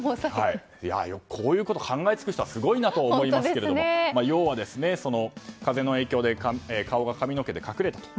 こういうこと考え付く人はすごいなと思いますけれども要は風の影響で顔が髪の毛で隠れたと。